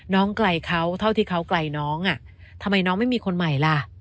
ไกลเขาเท่าที่เขาไกลน้องอ่ะทำไมน้องไม่มีคนใหม่ล่ะ